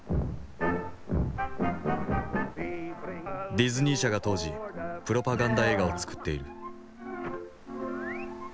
ディズニー社が当時プロパガンダ映画を作っている。